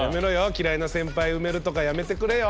嫌いな先輩を埋めるとかやめてくれよ。